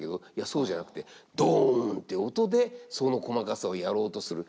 そうじゃなくってドンって音でその細かさをやろうとする。